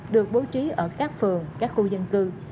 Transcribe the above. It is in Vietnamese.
được bố trí ở các phường các khu dân cư